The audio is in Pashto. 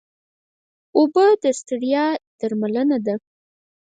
اوبه د ستړیا درملنه ده